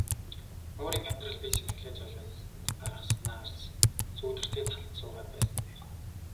Өөрийн амьдрал бие сэтгэлээ золиосонд гаргаснаас сүүдэртэй талд суугаад байсан нь дээр.